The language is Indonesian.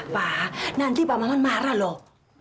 pak nanti pak maman marah loh